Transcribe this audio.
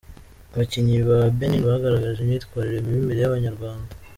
Abakinnyi ba Benin bagaragaje imyitwarire mibi imbere y'abanyarwanda.